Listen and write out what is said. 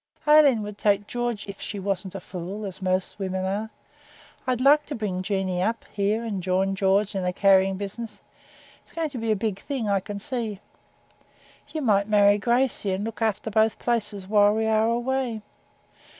Aileen would take George if she wasn't a fool, as most women are. I'd like to bring Jeanie up here, and join George in the carrying business. It's going to be a big thing, I can see. You might marry Gracey, and look after both places while we were away.'